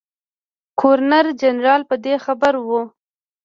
ګورنر جنرال په دې خبر وو.